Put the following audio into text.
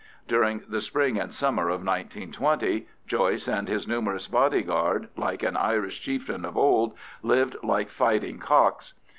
During the spring and summer of 1920, Joyce and his numerous bodyguard, like an Irish chieftain of old, lived like fighting cocks.